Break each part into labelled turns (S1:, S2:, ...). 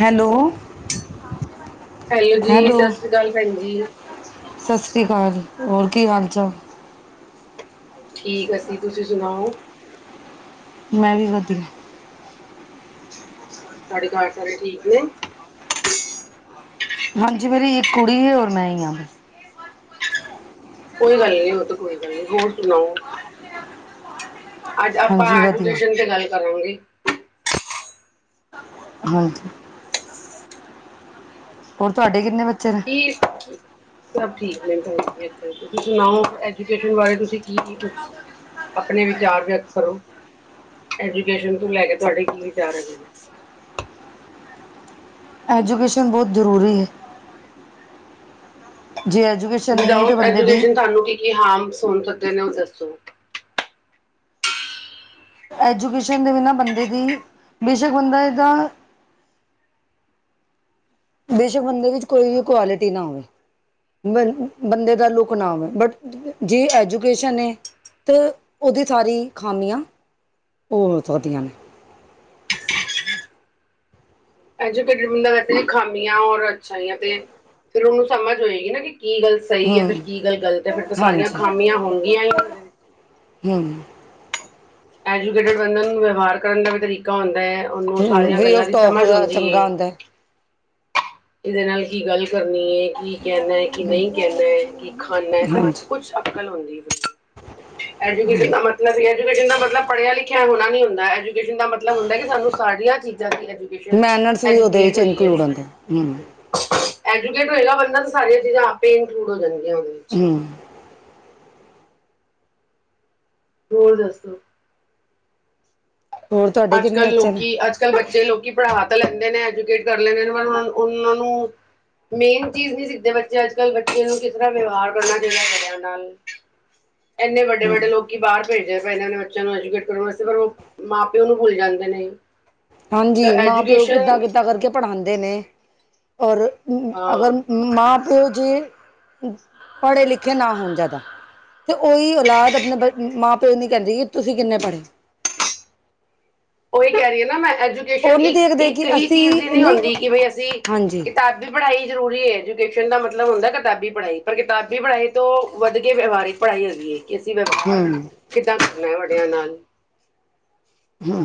S1: Hello.
S2: Hello ਜੀ ਸਤਿ ਸ੍ਰੀ ਅਕਾਲ ਭੈਣ ਜੀ।
S1: ਸਤਿ ਸ੍ਰੀ ਅਕਾਲ ਹੋਰ ਕੀ ਹਾਲ ਚਾਲ।
S2: ਠੀਕ ਅਸੀਂ ਤੁਸੀਂ ਸੁਣਾਓ।
S1: ਮੈਂ ਵੀ ਵਧੀਆ।
S2: ਤੁਹਾਡੇ ਘਾਰ ਸਾਰੇ ਠੀਕ ਨੇ
S1: ਹਾਂਜੀ ਮੇਰੀ ਇੱਕ ਕੁੜੀ ਹੈ ਹੋਰ ਮੈਂ ਹੀ ਆ।
S2: ਕੋਈ ਗੱਲ ਨਹੀ ਉਹ ਤੇ ਕੋਈ ਗੱਲ ਨੀ ਹੋਰ ਸੁਣਾਓ। ਅੱਜ ਆਪਾਂ
S1: ਹਾਂਜੀ ਵਧੀਆ
S2: ਐਜੂਕੇਸ਼ਨ ਤੇ ਗੱਲ ਕਰਾਂਗੇ।
S1: ਹਾਂਜੀ। ਹੋਰ ਤੁਹਾਡੇ ਕਿੰਨੇ ਬੱਚੇ। ਨੇ
S2: ਕੀ ਸਭ ਠੀਕ। ਤੁਸੀਂ ਸੁਣਾਓ ਐਜੂਕੇਸ਼ਨ ਬਾਰੇ ਤੁਸੀਂ ਕੀ ਕੀ ਪੁਛ ਆਪਣੇ ਵਿਚਾਰ ਵਿਅਕਤ ਕਰੋ। ਐਜੂਕੇਸ਼ਨ ਤੋਂ ਲੈ ਕੇ ਤੁਹਾਡੇ ਕੀ ਵਿਚਾਰ ਹੈਗੇ ਨੇ।
S1: ਐਜੂਕੇਸ਼ਨ ਬਹੁਤ ਜ਼ਰੂਰੀ ਹੈ। ਜੇ ਐਜੂਕੇਸ਼ਨ ਨਹੀਂ ਹੈ ਤਾਂ
S2: ਵੀਦਾਉਟ
S1: ਬੰਦੇ ਦੀ
S2: ਐਜੂਕੇਸ਼ਨ ਤੁਹਾਨੂੰ ਕੀ ਕੀ ਹਾਰਮਸ ਹੋ ਸਕਦੇ ਨੇ ਉਹ ਦੱਸੋ।
S1: ਐਜੂਕੇਸ਼ਨ ਦੇ ਬਿਨਾਂ ਬੰਦੇ ਦੀ ਬੇਸ਼ੱਕ ਬੰਦਾ ਇਹਦਾ ਬੇਸ਼ੱਕ ਬੰਦੇ ਵਿੱਚ ਕੋਈ ਵੀ ਕੁਆਲਿਟੀ ਨਾ ਹੋਵੇ। ਬ ਬੰਦੇ ਦਾ ਲੁਕ ਨਾ ਹੋਵੇ ਬਟ ਜੇ ਐਜੂਕੇਸ਼ਨ ਏ। ਅਤੇ ਉਹਦੀ ਸਾਰੀ ਖਾਮੀਆਂ ਓ ਹੋ ਸਕਦੀਆਂ ਨੇ। ਹਮ ਹਮ।
S2: ਐਜੂਕੇਟਿਡ ਬੰਦਾ ਵੈਸੇ ਖਾਮਿਆ ਔਰ ਅੱਛਾਈਆ ਤੇ ਫਿਰ ਉਹਨੂੰ ਸਮਝ ਹੋਏਗੀ ਨਾ ਕਿ। ਕੀ ਗੱਲ ਸਹੀ ਹੈ ਤੇ
S1: ਹਮ
S2: ਕੀ ਗੱਲ ਗਲਤ ਹੈ ਫਿਰ ਤਾਂ ਸਾਰੀਆਂ
S1: ਹਾਂਜੀ
S2: ਖਾਮੀਆਂ ਹੋਣਗੀਆਂ ਹੀ ਨੀ ਉਹਦੇ ਵਿੱਚ।
S1: ਹ
S2: ਐਜੂਕੇਟਡ ਬੰਦੇ ਨੂੰ ਵਯਵਹਾਰ ਕਰਨ ਦਾ ਵੀ ਤਰੀਕਾ ਹੁੰਦਾ ਹੈ। ਉਹਨੂੰ ਸਾਰੀਆਂ
S1: ਵੇ
S2: ਗੱਲਾਂ
S1: ਆਫ
S2: ਦੀ
S1: ਟੋਕ
S2: ਸਮਝ
S1: ਉਹਦਾ
S2: ਹੁੰਦੀ
S1: ਚੰਗਾ
S2: ਏ।
S1: ਹੁੰਦਾ ਹੈ।
S2: ਕਿਹਦੇ ਨਾਲ ਕੀ ਗੱਲ। ਕਰਨੀ ਹੈ ਕਿ ਕਹਿਣਾ ਹੈ ਕਿ ਨਹੀਂ ਕਹਿਣਾ ਹੈ ਕਿ ਖਾਣਾ ਹੈ ਸਭ
S1: ਹਾਂਜੀ
S2: ਕੁਛ ਅਕਲ ਹੁੰਦੀ ਏ ਫਿਰ। ਐਜੂਕੇਸ਼ਨ ਦਾ ਮਤਲਬ ਇਹ ਹੈ ਕਿ ਐਜੂਕੇਸ਼ਨ ਦਾ ਮਤਲਬ ਪੜਿਆ ਲਿਖਿਆ ਹੋਣਾ ਨੀ ਹੁੰਦਾ ਐਜੂ। ਐਜੂਕੇਸ਼ਨ ਦਾ ਮਤਲਬ ਹੁੰਦਾ ਸਾਨੂੰ ਸਾਰੀਆਂ ਚੀਜ਼ਾਂ ਦੀ ਐਜ਼ੂਕੇਸ਼ਨ
S1: ਮੈਨਰਸ ਵੀ ਉਹਦੇ
S2: ਐਜੁਕੇਟ
S1: ਵਿੱਚ
S2: ਹੋਈਏ
S1: ਇਨਕਲੂਡ
S2: ਅਸੀ।
S1: ਹੁੰਦੇ ਹੂੰ
S2: ਐਜੂਕੇਟ ਹੋਏਗਾ ਬੰਦਾ ਤਾਂ ਸਾਰੀਆਂ ਚੀਜ਼ਾਂ ਆਪੇ ਇਨਕਲੂਡ ਹੋ ਜਾਣ ਗਿਆਂ। ਇਹ ਉਹਦੇ ਵਿੱਚ।
S1: ਹੂੰ
S2: ਹੋਰ ਦਸੋ।
S1: ਹੋਰ ਤੁਹਾਡੇ
S2: ਅੱਜ
S1: ਕਿੰਨੇ
S2: ਕੱਲ੍ਹ
S1: ਬੱਚੇ ਨੇ
S2: ਲੋਕੀ ਅੱਜ ਕੱਲ੍ਹ ਬਡੇ ਜੇ ਲੋਕੀ ਪੜ੍ਹਾ ਤਾਂ ਲੈਂਦੇ ਨੇ ਐਜੂਕੇਟ ਕਰ ਲੈਂਦੇ ਨੇ ਉਹਨਾ ਉਹਨਾਂ ਨੂੰ, ਮੇਨ ਚੀਜ਼ ਨਹੀ ਸਿੱਖਦੇ ਬੱਚੇ ਅੱਜ ਕੱਲ੍ਹ ਬੱਚਿਆ ਨੂੰ ਕਿਸ ਤਰ੍ਹਾਂ ਵਿਵਹਾਰ ਕਰਨਾ ਚਾਹੀਦਾ ਵੱਡਿਆ ਨਾਲ। ਇੱਨੇ ਵੱਡੇ ਵੱਡੇ ਲੋਕੀ ਬਾਹਰ ਪੇਜਦੇ ਜ ਇਹਨਾਂ ਨੇ ਬੱਚਿਆਂ ਨੂੰ ਐਜੂਕੇਟ ਕਰਨ ਵਾਸਤੇ ਪਰ ਉਹ ਮਾਂ ਪਿਓ ਨੂੰ ਭੁੱਲ ਜਾਂਦੇ ਨੇ। ਤਾਂ
S1: ਹਾਂਜੀ ਮਾਂ ਪਿਓ
S2: ਐਜੂਕੇਸ਼ਨ
S1: ਕਿੱਦਾਂ ਕਿੱਦਾਂ ਕਰਕੇ ਪੜ੍ਹਾਉਦੇ ਨੇ। ਔਰ,
S2: ਹਾਂ
S1: ਅਗਰ ਮਾਂ ਪਿਓ ਜੇ ਪੜ੍ਹੇ ਲਿਖੇ ਨਾ ਹੋਣ ਜ਼ਿਆਦਾ। ਤੇ ਉਹੀ ਔਲਾਦ ਆਪਣੇ ਬ ਮਾਂ ਪਿਓ ਨੂੰ ਕਹਿੰਦੀ ਏ ਕਿ ਤੁਸੀਂ ਕਿੰਨੇ ਪੜ੍ਹੇ।
S2: ਉਹੀ ਕਹਿ ਰਹੀ ਆ ਨਾ ਮੈਂ।
S1: ਉਹ
S2: ਐਜੂਕੇਸ਼ਨ
S1: ਨੀ
S2: ਇੱਕ
S1: ਦੇਖਦੇ
S2: ਇੱਕ
S1: ਕਿ
S2: ਹੀ ਚੀਜ਼ ਦੀ
S1: ਅਸੀਂ
S2: ਨਹੀਂ ਹੁੰਦੀ ਕਿ ਬਈ ਅਸੀਂ
S1: ਹਾਂਜੀ
S2: ਕਿਤਾਬੀ ਪੜ੍ਹਾਈ ਜ਼ਰੂਰੀ ਐ। ਐਜੂਕੇਸ਼ਨ ਦਾ ਮਤਲਬ ਹੁੰਦਾ ਕਿਤਾਬੀ ਪੜ੍ਹਾਈ ਪਰ ਕਿਤਾਬੀ ਪੜ੍ਹਾਈ ਤੋਂ ਵੱਧ ਕੇ ਵਿਵਹਾਰਿਕ ਪੜ੍ਹਾਈ ਹੈਗੀ ਹੈ। ਅਸੀਂ ਵਿਵਹਾਰ
S1: ਹੂੰ
S2: ਕਿੱਦਾਂ ਕਰਨਾ ਹੈ ਵੱਡਿਆਂ ਨਾਲ।
S1: ਹੂੰ।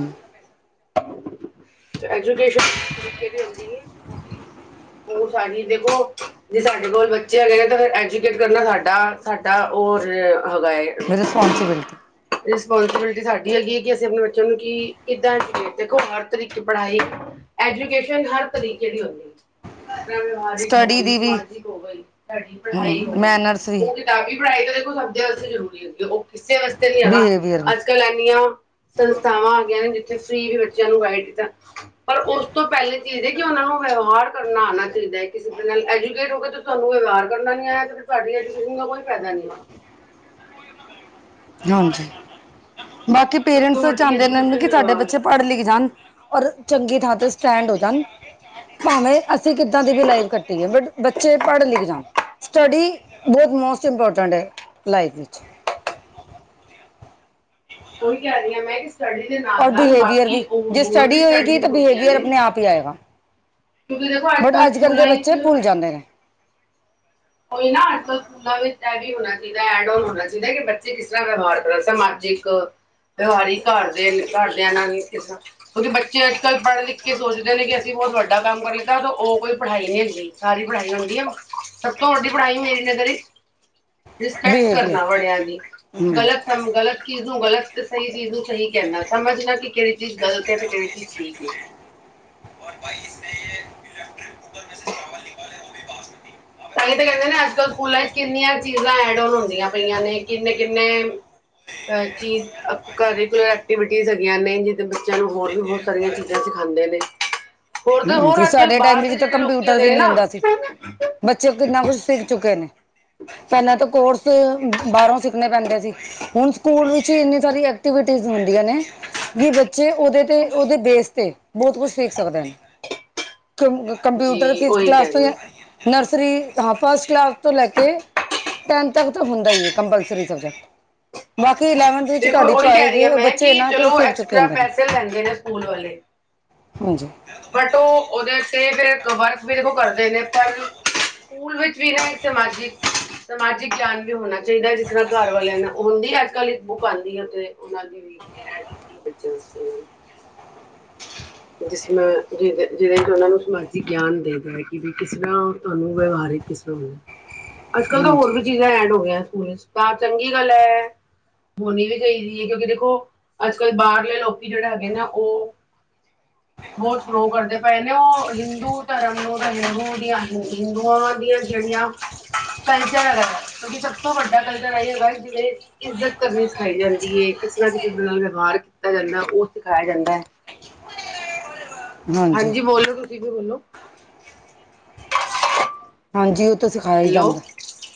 S2: ਐਜੂਕੇਸ਼ਨ ਤਰੀਕੇ ਦੀ ਹੁੰਦੀ ਏ। ਔਰ ਸਾਡੀ ਦੇਖੋ ਜੇ ਸਾਡੇ ਕੋਲ ਬੱਚੇ ਹੈਗੇ ਨੇ ਤਾਂ ਫਿਰ ਐਜੂਕੇਟ ਕਰਨਾ ਸਾਡਾ ਸਾਡਾ ਹੋਰ
S1: ਰਿਸਪੋਂਸੀਬਿਲਟੀ
S2: ਰਿਸਪੋਂਸੀਬਿਲਟੀ ਸਾਡੀ ਹੈਗੀ ਹੈ ਕਿ ਅਸੀਂ ਆਪਣੇ ਬੱਚਿਆਂ ਨੂੰ ਕੀ ਕਿੱਦਾਂ ਦੇਖੋ ਹਰ ਤਰੀਕੇ ਪੜ੍ਹਾਈ ਐਜੂਕੇਸ਼ਨ ਹਰ ਤਰੀਕੇ ਦੀ ਹੁੰਦੀ ਏ। ਜਿਸ ਤਰ੍ਹਾਂ ਵਿਵਹਾਰਿਕ ਹੋ
S1: ਸਟੱਡੀ
S2: ਗਈ,
S1: ਦੀ ਵੀ
S2: ਸਮਾਜਿਕ ਹੋ ਗਈ ਤੁਹਾਡੀ
S1: ਹੂੰ
S2: ਪੜ੍ਹਾਈ ਹੋ ਗਈ,
S1: ਮੈਨਰਸ ਵੀ
S2: ਉਹ ਕਿਤਾਬੀ ਪੜਾਈ ਤਾਂ ਦੇਖੋ ਸਭਦੇ ਵਾਸਤੇ ਜ਼ਰੂਰੀ ਹੁੰਦੀ ਹੈ ਓ ਇਸੇ ਵਾਸਤੇ ਨੀ ਹੈਗਾ
S1: ਬਿਹੇਵੀਅਰ ਵੀ
S2: ਅੱਜ ਕਲ ਇਨੀਆਂ ਸੰਸਥਾਵਾਂ ਆ ਗਈਆ ਨੇ ਫਰੀ ਵੀ ਬੱਚਿਆਂ ਨੂੰ ਵਾਈਟ ਦਿੱਤਾ ਪਰ ਉਸ ਤੋਂ ਪਹਿਲੇ ਚੀਜ਼ ਹੈ ਕਿ ਉਹਨਾਂ ਨੂੰ ਵਿਵਹਾਰ ਕਰਨਾ ਆਉਣਾ ਚਾਹੀਦਾ ਹੈ ਕਿਸੇ ਦੇ ਨਾਲ ਐਜੂਕੇਟ ਹੋ ਕੇ ਤੇ ਤੁਹਾਨੂੰ ਵਿਵਹਾਰ ਕਰਨਾ ਨੀ ਆਇਆ ਤੇ ਤੁਹਾਡੀ ਐਜੂਕੇਸ਼ਨ ਦਾ ਕੋਈ ਫਾਇਦਾ ਨਹੀਂ। [inaudible]
S1: ਹਾਜੀ ਬਾਕੀ
S2: ਸਭ ਤੋਂ
S1: ਪੇਰੈਂਟਸ
S2: ਵੱਡੀ
S1: ਚਾਹੁੰਦੇ ਨੇ
S2: ਐਜੂਕੇਸ਼ਨ
S1: ਕਿ ਸਾਡੇ
S2: ਵਿਵਹਾਰ ਹੈ
S1: ਬੱਚੇ ਪੜ੍ਹ ਲਿਖ ਜਾਣ ਔਰ ਚੰਗੀ ਥਾਂ ਤੇ ਸਟੈਂਡ ਹੋ ਜਾਣ।
S2: ਹ [unintelligible]
S1: ਭਾਵੇਂ ਅਸੀਂ ਕਿੱਦਾਂ ਦੀ ਵੀ ਲਾਈਫ ਕੱਟੀ ਹੈ ਬਟ ਬੱਚੇ ਪੜ੍ਹ ਲਿਖ ਜਾਣ ਸਟੱਡੀ ਬਹੁਤ ਮੋਸ ਮੋਸਟ ਇੰਪੋਰਟੈਂਟ ਹੈ ਲਾਈਫ ਵਿੱਚ।
S2: ਉਹੀ ਕਿਹ ਰਹੀ ਆ ਮੈਂ ਸਟਡੀ ਦੇ ਨਾਲ
S1: ਔਰ
S2: ਨਾਲ
S1: ਬਿਹੇਵੀਅਰ
S2: ਬਾਕੀ
S1: ਵੀ
S2: ਉਹ
S1: ਜੇ
S2: ਹੋਰ ਵੀ
S1: ਹੋਏਗੀ
S2: ਸਟੱਡੀ
S1: ਤਾਂ
S2: ਹੋ ਗਈਆ
S1: ਬਿਹੇਵੀਅਰ
S2: ਨੇ।
S1: ਆਪਣੇ ਆਪ ਹੀ ਆਏਗਾ
S2: ਕਿਉਂਕਿ ਦੇਖੋ
S1: ਬਟ ਅੱਜ ਕੱਲ੍ਹ
S2: ਸਕੂਲਾਂ
S1: ਦੇ ਬੱਚੇ
S2: ਵਿੱਚ
S1: ਭੁੱਲ ਜਾਂਦੇ ਨੇ।
S2: ਉਹੀ ਨਾ ਅੱਜ ਕੱਲ੍ਹ ਸਕੂਲਾਂ ਵਿੱਚ ਇਹ ਵੀ ਹੋਣਾ ਚਾਹੀਦਾ ਐਡ ਹੋਣਾ ਚਾਹੀਦਾ ਕਿ ਬੱਚੇ ਕਿਸ ਤਰ੍ਹਾਂ ਵਿਵਹਾਰ ਕਰਨ ਸਮਾਜਿਕ ਵਿਵਹਾਰ ਹੀ ਘਰਦੇ ਨੇ ਘਰਦਿਆਂ ਨਾਂ ਨੇਰ ਕਿਉਂਕਿ ਬੱਚੇ ਅੱਜ ਕੱਲ ਪੜ੍ਹ ਲਿਖ ਕੇ ਸੋਚਦੇ ਨੇ ਕਿ ਅਸੀਂ ਬਹੁਤ ਵੱਡਾ ਕੰਮ ਕਰ ਲਿਤਾ ਉਹ ਕੋਈ ਪੜ੍ਹਾਈ ਨਹੀਂ ਹੁੰਦੀ ਸਾਰੀ ਪੜ੍ਹਾਈ ਨਾਲ ਹੁੰਦੀ ਆ। ਤੁਹਾਡੀ ਪੜ੍ਹਾਈ ਮੇਰੀ ਨਜ਼ਰ 'ਚ ਰਿਸਪੈਕਟ
S1: ਬਿਹੇਵੀਅਰ
S2: ਕਰਨਾ ਬੜਿਆਂ ਦੀ
S1: ਹਮ
S2: ਗ਼ਲਤ ਕੰਮ ਗਲਤ ਚੀਜ਼ ਨੂੰ ਗਲਤ ਸਹੀ ਚੀਜ਼ ਨੂੰ ਸਹੀ ਕਹਿੰਦਾ ਸਮਝਣਾ ਕਿ ਕਿਹੜੀ ਚੀਜ਼ ਗਲਤ ਹੈ ਤੇ ਕਿਹੜੀ ਚੀਜ਼ ਸਹੀ ਹੈ।
S1: ਭਾਈ ਇਸਨੇ ਇਲੈਕਟ੍ਰਿਕ ਕੁੂਕਰ ਮੇਂ ਸੇ ਚਾਵਲ ਨਿਕਾਲੇ, ਉਹ ਵੀ ਬਾਸਮਤੀ।
S2: ਤਾਂ ਹੀ ਤਾਂ ਕਹਿੰਦੇ ਨੇ, ਅੱਜ ਕੱਲ ਸਕੂਲਾਂ ਵਿੱਚ ਕਿੰਨੀਆਂ ਚੀਜ਼ਾਂ ਐਡ ਓਨ ਹੁੰਦੀਆਂ ਪਈਆਂ ਨੇ ਕਿੰਨੇ-ਕਿੰਨੇ ਅਹ ਚੀਜ਼ ਕਰੀਕਲਰ ਐਕਟੀਵਿਟੀ ਹੈਗੀਆਂ ਨੇ ਜਿ ਬੱਚਿਆਂ ਨੂੰ ਹੋਰ ਵੀ ਬਹੁਤ ਸਾਰੀਆਂ ਚੀਜ਼ਾਂ ਸ ਖਾਂਦੇ ਨੇ ਹੋਰ ਤਾਂ
S1: ਹਮ
S2: ਹੋਰ
S1: ਜੀ
S2: ਅੱਜ ਕੱਲ੍ਹ
S1: ਸਾਡੇ ਟਾਈਮ
S2: ਬਾਹਰ ਦੇ
S1: ਵਿੱਚ ਤਾਂ
S2: ਜਿਹੜੇ ਲੋਕੀ
S1: ਕੰਪਿਊਟਰ
S2: ਹੈਗੇ
S1: ਵੀ
S2: ਨੇ
S1: ਨਹੀਂ ਹੁੰਦਾ ਸੀ
S2: ਨਾ
S1: ਬੱਚੇ ਕਿੰਨਾ ਕੁਛ ਸਿੱਖ ਚੁੱਕੇ ਨੇ। ਪਹਿਲਾਂ ਤਾਂ ਕੋਰਸ ਬਾਹਰੋਂ ਸਿੱਖਣੇ ਪੈਂਦੇ ਸੀ ਹੁਣ ਸਕੂਲ ਵਿੱਚ ਇੰਨੀ ਸਾਰੀ ਐਕਟੀਵਿਟੀ ਜ਼ ਹੁੰਦੀਆਂ ਨੇ ਕਿ ਬੱਚੇ ਉਹਦੇ ਤੇ ਉਹਦੇ ਬੇਸ ਤੇ ਬਹੁਤ ਕੁਛ ਸਿਖ ਸਕਦੇ ਨੇ। ਕੰ ਕੰਪਿਊਟਰ
S2: ਜੀ
S1: ਫਿਫਥ
S2: ਉਹੀ
S1: ਕਲਾਸ
S2: ਕਹਿ
S1: ਤੋਂ
S2: ਰਹੀ
S1: ਜਾਂ
S2: ਹਾਂ
S1: ਨਰਸ ਹਾਂ ਫਸਟ ਕਲਾਸ ਤੋਂ ਲੈ ਕੇ ਟੈਨ ਤੱਕ ਤਾਂ ਹੁੰਦਾ ਹੀ ਹੈ ਕੰਪਲਸਰੀ ਸਬਜੈਕਟ [unintelligible] ਇਲੈੰਵਥ ਵਿੱਚ
S2: ਦੇਖੋ
S1: ਤੁਹਾਡੀ
S2: ਉਹੀ ਕਹਿ
S1: ਚੋਇਸ
S2: ਰਹੀ ਹਾਂ
S1: ਏ
S2: ਮੈਂ
S1: ਬੱਚੇ
S2: ਕਿ
S1: ਇਹਨਾਂ ਕੁ
S2: ਚਲੋ
S1: ਸਿੱਖ ਚੁੱਕੇ
S2: ਐਕਸਟਰਾ
S1: ਹੁੰਦੇ ਨੇ।
S2: ਪੈਸੇ ਲੈਂਦੇ ਨੇ ਸਕੂਲ ਵਾਲੇ
S1: ਹਾਂਜੀ
S2: ਬਟ ਉਹ ਉਹਦੇ ਤੇ ਫਿਰ ਵਰਕ ਵੀ ਦੇਖੋ ਕਰਦੇ ਨੇ ਪਰ ਸਕੂਲ ਵਿੱਚ ਵੀ ਨਾ ਸਮਾਜਿਕ ਸਮਾਜਿਕ ਗਿਆਨ ਵੀ ਹੋਣਾ ਚਾਹੀਦਾ ਹੈ ਜਿਸ ਤਰ੍ਹਾਂ ਘਰ ਵਾਲਿਆਂ ਨੂੰ ਹੁੰਦੀ ਅੱਜ ਕੱਲ੍ਹ ਇੱਕ ਬੁੱਕ ਆਉਂਦੀ ਹੈ। ਉਹਨਾਂ ਦੀ ਵੀ ਐਡ ਕੀਤੀ ਹੈ ਬੱਚਿਆਂ ਵਾਸਤੇ ਜਿਸ ਨਾਲ ਜਿਹ ਜਿਹਦੇ ਚ ਉਹਨਾਂ ਨੂੰ ਸਮਾਜਿਕ ਗਿਆਨ ਦੇਦਾ ਹੈ ਕਿ ਵੀ ਕਿਸ ਤਰ੍ਹਾਂ ਤੁਹਾਨੂੰ ਵਿਵਹਾਰ ਕਿਸ ਅੱਜ ਕੱਲ ਤਾਂ ਹੋਰ ਵੀ
S1: ਹਾਂਜੀ
S2: ਚੀਜ਼ਾਂ ਐਡ ਹੋ ਗਈਆਂ ਸਕੂਲ ਤਾਂ ਚੰਗੀ ਗੱਲ ਹੈ। ਹੋਣੀ ਵੀ ਚਾਹੀਦੀ ਹੈ ਕਿਉਂਕਿ ਦੇਖੋ ਅੱਜ ਕੱਲ੍ਹ ਬਾਹਰਲੇ ਲੋਕੀ ਜਿਹੜੇ ਹੈਗੇ ਨਾ ਉਹ [inaudible] ਬਹੁਤ ਸ਼ੋ ਕਰਦੇ ਪਏ ਨੇ, ਉਹ ਹਿੰਦੂ ਧਰਮ ਨੂੰ ਤੇ ਹਿੰਦੂ ਦੀਆਂ ਨੀਤੀ ਗਵਾਂ ਦੀਆਂ ਜਿਹੜੀਆ ਕਲਚਰ ਹੈਗਾ ਕਿਉਂਕਿ ਸਭ ਤੋਂ ਵੱਡਾ ਕਲਚਰ ਐਹੀ ਹੈਗਾ ਜਿਵੇਂ ਇੱਜ਼ਤ ਕਰਨੀ ਸਿਖਾਈ ਜਾਂਦੀ ਹੈ। ਕਿਸੇ ਨਾ ਕਿਸੇ ਦੇ ਨਾਲ ਵਿਵਹਾਰ ਕੀਤਾ ਜਾਂਦਾ ਉਹ ਸਿਖਾਇਆ ਜਾਂਦਾ ਹੈ। ਹਾਂਜੀ ਬੋਲੋ ਤੁਸੀਂ ਵੀ ਬੋਲੋ
S1: ਹਾਂਜੀ ਉਹ ਤੋਂ ਸਿਖਾਇਆ ਹੀ
S2: ਹੈਲੋ
S1: ਜਾਂਦਾ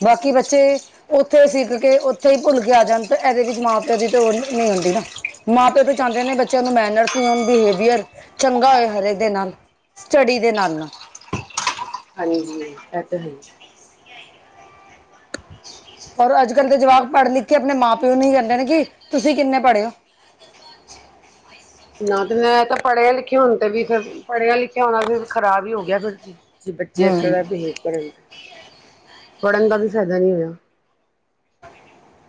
S1: ਬਾਕੀ ਬੱਚੇ ਉੱਥੇ ਸਿੱਖ ਕੇ ਉੱਥੇ ਹੀ ਭੁੱਲ ਕੇ ਆ ਜਾਂਣ ਤਾਂ ਇਹਦੇ ਵਿੱਚ ਮਾਂ ਪਿਓ ਦੀ ਤਾਂ ਉਹ ਨਹੀਂ ਹੁੰਦੀ ਨਾ ਮਾਂ ਪਿਓ ਤੇ ਚਾਹੁੰਦੇ ਨੇ ਬੱਚਿਆਂ ਨੂੰ ਮੈਨਰਸ ਬਿਹੇਵੀਅਰ ਚੰਗਾ ਹੋਏ ਹਰੇਕ ਦੇ ਨਾਲ ਸਟੱਡੀ ਦੇ ਨਾਲ ਨਾਲ
S2: ਹਾਂਜੀ, ਇਹ ਤਾਂ ਹੈ
S1: ਰ ਅੱਜ ਕੱਲ੍ਹ ਦੇ ਜਵਾਕ ਪੜ੍ਹ ਲਿਖ ਕੇ ਆਪਣੇ ਮਾਂ ਪਿਓ ਨੂੰ ਕਹਿੰਦੇ ਨੇ ਕਿ ਤੁਸੀਂ ਕਿੰਨੇ ਪੜੇ ਹੋ
S2: [unintelligible] ਨਾ ਤੇ ਮੈਂ ਤਾਂ ਪੜ੍ਹੇ ਲਿਖੇ ਹੋਣ ਤੇ ਵੀ ਫਿਰ ਪੜ੍ਹਿਆ ਲਿਖਿਆ ਹੋਣਾ ਫਿਰ ਖਰਾਬ ਹੀ ਹੋ ਗਿਆ ਫਿਰ ਕਿ ਬੱਚੇ ਇਸ
S1: ਹਮ
S2: ਤਰਾਂ ਬਿਹੇਵ ਕਰਨ ਤੇ ਪੜ੍ਹਨ ਦਾ ਵੀ ਫਾਇਦਾ ਨਹੀਂ ਹੋਇਆ
S1: [inaudible]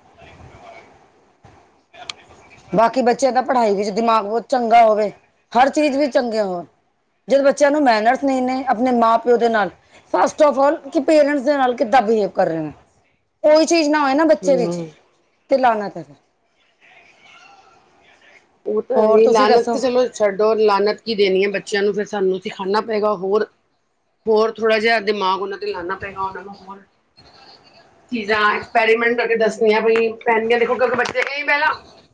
S1: ਬਾਕੀ ਬੱਚਿਆਂ ਦਾ ਪੜ੍ਹਾਈ ਵਿੱਚ ਦਿਮਾਗ ਬਹੁਤ ਚੰਗਾ ਹੋਵੇ ਹਰ ਚੀਜ਼ ਵੀ ਚੰਗੇ ਹੋਣ ਜਦੋਂ ਬੱਚਿਆਂ ਨੂੰ ਮੈਨਰਸ ਨਹੀਂ ਨੇ ਆਪਣੇ ਮਾਂ ਪਿਓ ਦੇ ਨਾਲ ਫਸਟ ਆਫ ਆਲ ਕਿ ਪੇਰੈਂਟਸ ਦੇ ਨਾਲ ਕਿਦਾ [unintelligible] ਕੋਈ ਚੀਜ਼ ਨਾ ਹੋਏ ਨਾ ਬੱਚੇ ਵਿੱਚ
S2: ਹੂੰ
S1: ਤੇ ਲਾਹਨਤ ਹ
S2: ਉਹ ਤਾਂ ਇਹ
S1: ਤੁਸੀਂ
S2: ਲਾਹਨਤ
S1: ਦੱਸੋ
S2: ਚਲੋ ਛੱਡੋ ਲਾਹਨਤ ਕੀ ਦੇਣੀ ਹੈ ਬੱਚਿਆਂ ਨੂੰ ਫਿਰ ਸਾਨੂੰ ਸਿਖਾਣਾ ਪਏਗਾ ਹੋਰ ਹੋਰ ਥੋੜ੍ਹਾ ਜਿਹਾ ਦਿਮਾਗ ਉਹਨਾਂ ਤੇ ਲਾਉਣਾ ਪਏਗਾ ਉਹਨਾਂ ਨੂੰ ਹੋਰ ਚੀਜ਼ਾਂ ਐਕਸਪੈਰੀਮੈਂਟ ਕਰ ਕੇ ਦੱਸੀਆਂ ਪੈਨਗੀਆਂ ਦੇਖੋ ਕਿਉਂਕਿ ਬੱਚੇ ਹੀ ਪਹਿਲਾਂ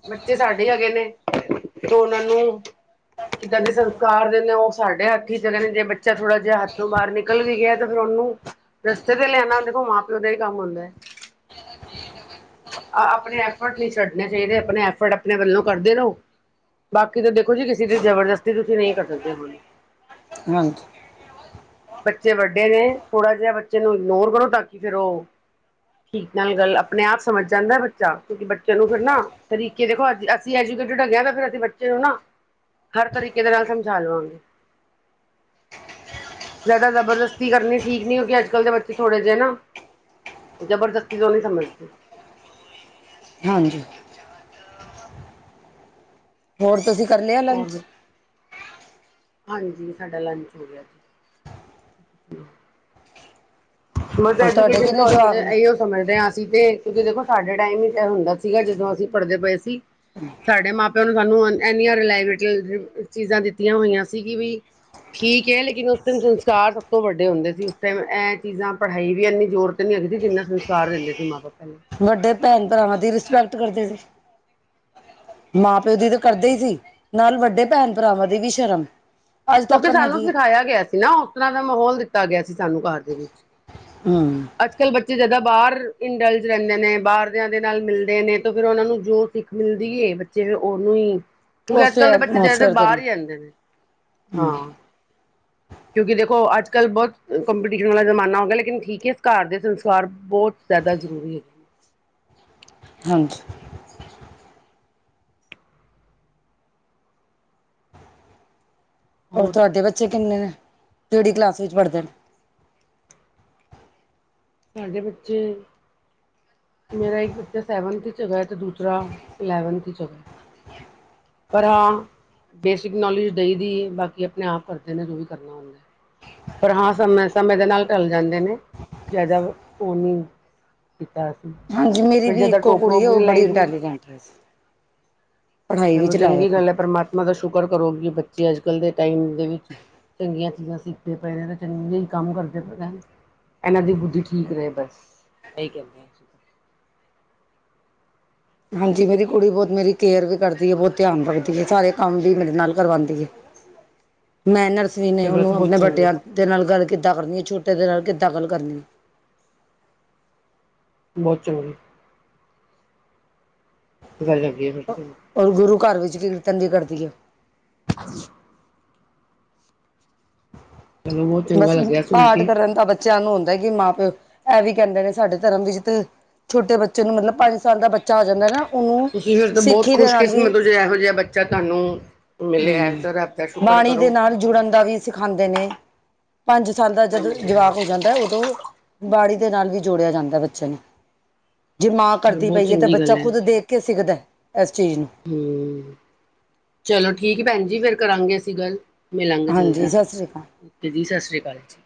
S2: ਬੱਚੇ ਸਾਡੇ ਹੈਗੇ ਨੇ, ਤੇ ਉਹਨਾਂ ਨੂੰ ਕਿੱਦਾਂ ਦੇ ਸੰਸਕਾਰ ਦੇ ਨੇ ਉਹ ਸਾਡੇ ਹੱਥ ਹੀ ਚਲੇ ਨੇ ਜੇ ਬੱਚਾ ਥੋੜਾ ਜਿਹਾ ਹੱਥੋਂ ਬਾਹਰ ਨਿਕਲ ਵੀ ਗਿਆ ਤੇ ਫਿਰ ਉਹ ਨੂੰ ਰਸਤੇ ਤੇ ਲਿਆਣਾ ਦੇਖੋ ਮਾਂ ਪਿਓ ਦਾ ਹੀ ਕੰਮ ਹੁੰਦਾ ਹੈ। ਆਹ ਆਪਣੇ ਐਫਰਟ ਨਹੀਂ ਛੱਡਣੇ ਚਾਹੀਦੇ ਆਪਣੇ ਐਫਰਟ ਆਪਣੇ ਵੱਲੋਂ ਕਰਦੇ ਰਹੋ ਬਾਕੀ ਤਾਂ ਦੇਖੋ ਜੀ ਕਿਸੇ ਦੀ ਜਬਰਦਸਤੀ ਤੁਸੀਂ ਨਹੀਂ ਕਰ ਸਕਦੇ ਹੋੁਣ
S1: ਹਾਂਜੀ।
S2: ਬੱਚੇ ਵੱਡੇ ਨੇ ਥੋੜ੍ਹਾ ਜਿਹਾ ਬੱਚੇ ਨੂੰ ਇਗਨੋਰ ਕਰੋ ਤਾਂ ਕਿ ਫਿਰ ਉਹ ਠੀਕ ਨਾਲ ਗੱਲ ਆਪਣੇ ਆਪ ਸਮਝ ਜਾਂਦਾ ਬੱਚਾ ਕਿਉਂਕਿ ਬੱਚਿਆਂ ਨੂੰ ਫਿਰ ਨਾ ਤਰੀਕੇ ਦੇਖੋ ਅ ਅਸੀਂ ਐਜੂਕੇਟਡ ਹੈਗਿਆ ਤਾਂ ਫਿਰ ਅਸੀਂ ਬੱਚੇ ਨੂੰ ਨਾ ਹਰ ਤਰੀਕੇ ਦੇ ਨਾਲ ਸਮਝਾ ਲਵਾਂਗੇ ਜ਼ਿਆਦਾ ਜ਼ਬਰਦਸਤੀ ਕਰਨੀ ਠੀਕ ਨਹੀਂ ਹੋ ਕਿ ਅੱਜ ਕੱਲ੍ਹ ਦੇ ਬੱਚੇ ਥੋੜੇ ਜਿਹੇ ਨਾ ਜ਼ਬਰਦਸਤੀ ਤੋਂ ਨਹੀਂ ਸਮਝਦੀ
S1: ਹਾਂਜੀ। ਹੋਰ ਤੁਸੀਂ ਕਰ ਲਿਆ ਲੰਚ?
S2: ਹੋਰ ਹਾਂਜੀ, ਸਾਡਾ ਲੰਚ ਹੋ ਗਿਆ ਜੀ। ਮ
S1: ਔਰ ਤੁਹਾਡੇ
S2: ਐਜੂਕੇਸ਼ਨ
S1: ਕਿੰਨੇ
S2: ਤੋਂ
S1: ਜਵਾਕ ਨੇ
S2: ਇਹੀ ਸਮਝਦੇ ਹਾਂ ਅਸੀਂ ਤੇ ਤੁਸੀਂ ਦੇਖੋ ਸਾਡੇ ਟਾਈਮ ਹੀ ਤਾਂ ਇਹ ਹੁੰਦਾ ਸੀਗਾ ਜਦੋਂ ਅਸੀਂ ਪੜ੍ਹਦੇ ਪਏ ਸੀ, ਸਾਡੇ ਮਾਪੇ ਸਾਨੂੰ ਇਨੀਆਂ ਚੀਜ਼ਾਂ ਦਿੱਤੀਆਂ ਹੋਈਆਂ ਸੀ ਕਿ ਵੀ ਠੀਕ ਹੈ ਲੇਕਿਨ ਉਸ ਟਾਈਮ ਸੰਸਕਾਰ ਸਭ ਤੋਂ ਵੱਡੇ ਹੁੰਦੇ ਸੀ ਉਸ ਟਾਈਮ ਇਹ ਚੀਜ਼ਾਂ ਪੜ੍ਹਾਈ ਵੀ ਇੰਨੀ ਜ਼ੋਰ ਤ ਨੀ ਹੈਗਦੀ ਜਿੰਨਾ ਸਤਿਕਾਰ ਦਿੰਦੇ ਸੀ ਮਾਂ ਬਾਪ ਪਹਿਲੇ
S1: ਵੱਡੇ ਭੈਣ ਭਰਾਵਾਂ ਦੀ ਰਿਸਪੈਕਟ ਕਰਦੇ ਸੀ ਮਾਂ ਪਿਓ ਦੀ ਤਾਂ ਕਰਦੇ ਹੀ ਸੀ ਨਾਲ ਵੱਡੇ ਭੈਣ ਭਰਾਵਾਂ ਦੀ ਵੀ ਸ਼ਰਮ ਅੱਜ ਤੱਕ
S2: ਕਿਉਂਕਿ ਸਾਨੂੰ
S1: ਹੈਗੀ ਹੈ
S2: ਸਿਖਾਇਆ ਗਿਆ ਸੀ ਨਾ ਉਸ ਤਰ੍ਹਾਂ ਦਾ ਮਾਹੌਲ ਦਿੱਤਾ ਗਿਆ ਸੀ ਸਾਨੂੰ ਘਰ ਦੇ ਵਿੱਚ
S1: ਹੂੰ
S2: ਜਿੱਦਾਂ ਬਾਹਰ ਇੰਡਲਜ ਰਹਿੰਦੇ ਨੇ ਬਾਹਰਦਿਆਂ ਦੇ ਨਾਲ ਮਿਲਦੇ ਨੇ ਤਾਂ ਫੇਰ ਉਹਨਾਂ ਨੂੰ ਜੋ ਸੀਖ ਮਿਲਦੀ ਹਏ ਬੱਚੇ ੳ ਉਹਨੂੰ ਕਿਉਂਕਿ ਅੱਜ
S1: ਉਸੇ
S2: ਕੱਲ੍ਹ ਦੇ ਬੱਚੇ ਜ਼ਿਆਦਾਤਰ
S1: ਐਟਮੋਸਫੇਅਰ ਦੇ
S2: ਬਾਹਰ
S1: ਨਾਲ
S2: ਹੀ ਰਹਿੰਦੇ ਨੇ ਹਾਂ
S1: ਹਮ
S2: ਕਿਉਂਕਿ ਦੇਖੋ ਅੱਜ ਕੱਲ੍ਹ ਬਹੁਤ ਕੰਪੀਟੀਸ਼ਨ ਵਾਲਾ ਜ਼ਮਾਨਾ ਹੋ ਗਿਆ ਲੇਕਨ ਠੀਕ ਹੈ ਘਰ ਦੇ ਸੰਸਕਾਰ ਬਹੁਤ ਜ਼ਿਆਦਾ ਜ਼ਰੂਰੀ ਐ
S1: ਪੰਜ [unintelligible] ਹੋਰ ਤੁਹਾਡੇ ਬੱਚੇ ਕਿੰਨੇ ਨੇ ਕਿਹੜੀ ਕਲਾਸ ਵਿੱਚ ਪੜ੍ਹਦੇ ਨੇ
S2: ਸਾਡੇ ਬੱਚੇ ਮੇਰਾ ਇੱਕ ਬੱਚਾ ਸੈਵਨਥ ਚ ਹੈਗਾ ਅਤੇ ਦੂਸਰਾ ਇਲੈਵਨਥ ਚ ਹੈਗਾ ਐ ਪਰ ਹਾਂ ਬੇਸਿਕ ਨੋਲੇਜ ਦਈ ਦੀ ਬਾਕੀ ਆਪਣੇ ਆਪ ਕਰਦੇ ਨੇ ਜੋ ਵੀ ਕਰਨਾ ਹੁੰਦਾ ਪਰ ਹਾਂ ਸਮੇ ਸਮੇਂ ਦੇ ਨਾਲ ਢਲ ਜਾਂਦੇ ਨੇ ਜ਼ਿਆਦਾ ਉਹ ਨਹੀ [unintelligible]
S1: ਹਾਂਜੀ ਮੇਰੀ
S2: ਫਿਰ
S1: ਵੀ
S2: ਜਿੱਦਾਂ
S1: ਇੱਕੋ
S2: ਟੋਕ ਟੋਕ
S1: ਕੁੜੀ ਹੈ
S2: ਵੀ
S1: ਉਹ
S2: ਨਹੀਂ
S1: ਬੜੀ
S2: ਲਾਈ ਦੀ ਹੈ
S1: ਇੰਟੈਲੀਜੈਂਟ ਪੜ੍ਹਾਈ
S2: ਚਲੋ
S1: ਵਿੱਚ ਲਾਇਆ
S2: ਚੰਗੀ
S1: ਕਰ
S2: ਗੱਲ ਏ ਪਰਮਾਤਮਾ ਦਾ ਸ਼ੁਕਰ ਕਰੋਗੀ ਬੱਚੇ ਅੱਜ ਕੱਲ੍ਹ ਦੇ ਟਾਈਮ ਦੇ ਵਿੱਚ ਚੰਗੀਆਂ [unintelligible] ਪਏ ਨੇ ਤੇ ਚੰਹੀ ਕੰਮ ਕਰਦੇ ਪਏ ਇਹਨਾਂ ਦੀ ਬੁੱਧੀ ਠੀਕ ਰਹੇ ਬਸ ਇਹੀ ਕਹਿੰਦੇ ਆ ਅਸੀਂ ਤਾਂ
S1: ਹਾਂਜੀ ਮੇਰੀ ਕੁੜੀ ਬਹੁਤ ਮੇਰੀ ਕੇਅਰ ਵੀ ਕਰਦੀ ਹੈ ਬਹੁਤ ਧਿਆਨ ਰੱਖਦੀ ਹੈ ਸਾਰੇ ਕੰਮ ਵੀ ਮੇਰੇ ਨਾਲ ਕਰਵਾਉਂਦੀ ਐ
S2: [unintelligible]
S1: ਮੈਂ ਨਰ
S2: ਫਿਰ ਬਸ ਬਹੁਤ ਚੰਗੇ
S1: [unintelligible] ਨਾਲ ਗੱਲ ਕੀਤੀ ਕਿੱਦਾਂ ਕਰਨੀ ਹੈ ਛੋਟੇ ਦੇ ਨਾਲ ਕਿਦਾਂ ਗਲ ਕਰਨੀ ਹੈ
S2: ਬਹੁਤ [unintelligible]
S1: ਔਰ
S2: [unintelligible]
S1: ਗੁਰੂ ਘਰ ਵਿੱਚ ਵੀ ਤੰਗ ਈ ਕਰਦੀ ਆ
S2: [unintelligible] ਚਲੋ ਬਹੁਤ ਚੰਗਾ
S1: ਬਸ
S2: ਲੱਗਿਆ ਸੁਣ
S1: ਪਾਠ
S2: ਕੇ
S1: ਕਰਨ ਦਾ ਬੱ ਬੱਚਿਆਂ ਨੂੰ ਹੁੰਦਾ ਕਿ ਮਾਂ ਪਿਓ ਇਹ ਵੀ ਕਹਿੰਦੇ ਨੇ ਸਾਡੇ ਧਰਮ ਵਿੱਚ ਤੇ ਛੋਟੇ ਬੱਚੇ ਨੂੰ ਮਤਲਬ ਪੰਜ ਸਾਲ ਦਾ ਬੱਚਾ ਹੋ ਜਾਂਦਾ ਨਾ ਉਹਨੂੰ
S2: ਤੁਸੀਂ ਫਿਰ ਤਾਂ ਬਹੁਤ
S1: ਸਿੱਖੀ ਦੇ ਨਾਲ ਵੀ
S2: ਖੁਸ਼ਕਮਤ ਤੋਂ ਜੇ ਇਹੋ ਜਿਹਾ ਬੱਚਾ ਤੁਹਾਨੂੰ ਮਿਲਿਆ
S1: ਹਮ
S2: ਰਬ ਦਾ ਸ਼ੁਕਰ
S1: ਬਾਣੀ ਦੇ
S2: ਕਰੋ
S1: ਨਾਲ ਜੁੜਨ ਦਾ ਵੀ ਸਿਖਾਉਂਦੇ ਨੇ ਪੰਜ ਸਾਲ ਦਾ ਜਦ
S2: ਹਾਂਜੀ
S1: ਜਵਾਕ ਹੋ
S2: ਹਾਂਜੀ
S1: ਜਾਂਦਾ ਉਦੋਂ ਬਾੜੀ ਦੇ ਨਾਲ ਵੀ ਜੋੜਿਆ ਜਾਂਦਾ ਬੱਚਿਆਂ ਨੂੰ ਜੇ ਮਾਂ ਕਰਦੀ
S2: ਬਹੁਤ
S1: ਪਈ ਹੈ ਤਾਂ
S2: ਚੰਗੀ
S1: ਬੱਚਾ ਖੁੱਦ ਦੇਖ ਕੇ ਸਿੱਖਦਾ ਇਸ ਚੀਜ਼ ਨੂੰ
S2: ਹੂੰ ਚਲੋ ਠੀਕ ਭੈਣ ਜੀ ਫੇਰ ਕਰਾਂਗੇ ਅਸੀਂ ਗੱਲ ਮਿਲਾਂਗੇ
S1: ਹਾਂਜੀ
S2: ਜਲਦੀ
S1: ਸਤਿ ਸ੍ਰੀ ਅਕਾਲ
S2: ਓਕੇ ਜੀ ਸਤਿ ਸ਼੍ਰੀ ਅਕਾਲ ਜੀ